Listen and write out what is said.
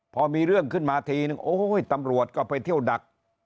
พอมีเรื่องขึ้นมาทีนึงโอ้ยตำรวจก็ไปเที่ยวดัก